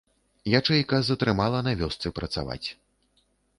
Ячэйка затрымала на вёсцы працаваць.